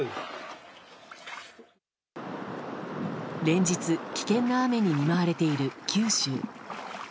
連日、危険な雨に見舞われている九州。